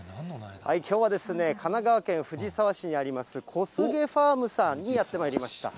きょうは、神奈川県藤沢市にあります、こすげふぁーむさんにやってまいりました。